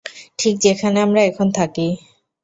ঠিক যেখানে আমরা এখন থাকি।